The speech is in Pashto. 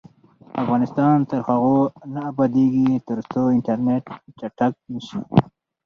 افغانستان تر هغو نه ابادیږي، ترڅو انټرنیټ چټک نشي.